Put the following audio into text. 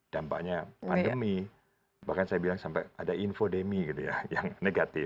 dampaknya pandemi bahkan saya bilang sampai ada infodemi gitu ya yang negatif